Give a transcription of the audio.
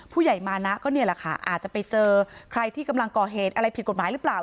ผู้ใหญ่มานะก็เนี่ยแหละค่ะอาจจะไปเจอใครที่กำลังก่อเหตุอะไรผิดกฎหมายหรือเปล่า